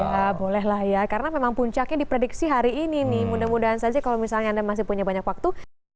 ya bolehlah ya karena memang puncaknya diprediksi hari ini nih mudah mudahan saja kalau misalnya anda masih punya banyak waktu